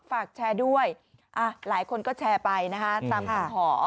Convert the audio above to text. ฝากแชร์ด้วยหลายคนก็แชร์ไปนะคะตามคำขอ